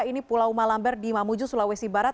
ini pulau malamber di mamuju sulawesi barat